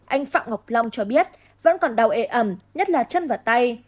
anh phạm ngọc long cho biết vẫn còn đau ế ẩm nhất là chân và tay